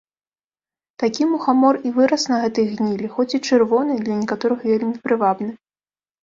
Такі мухамор і вырас на гэтай гнілі, хоць і чырвоны, для некаторых вельмі прывабны.